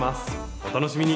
お楽しみに。